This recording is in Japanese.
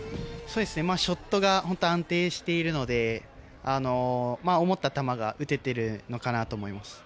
ショットが安定しているので思った球が打ててるのかなと思います。